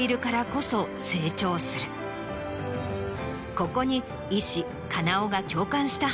ここに。